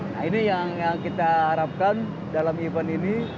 nah ini yang kita harapkan dalam event ini